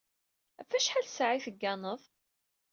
Ɣef acḥal n ssaɛa i tegganeḍ?